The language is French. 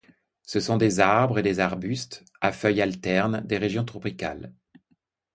Ce sont des arbres et des arbustes, à feuilles alternes, des régions tropicales.